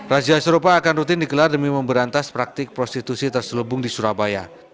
razia serupa akan rutin digelar demi memberantas praktik prostitusi terselubung di surabaya